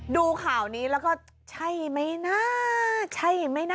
ดูข่าวนี้แล้วก็ใช่ไหมนะใช่ไหมนะ